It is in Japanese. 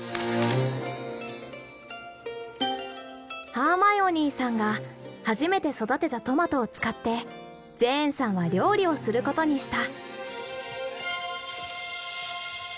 ハーマイオニーさんが初めて育てたトマトを使ってジェーンさんは料理をすることにした。